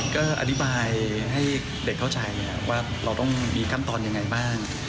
ก็อธิบายให้เด็กเข้าใจว่าเราต้องมีขั้นตอนยังไงบ้าง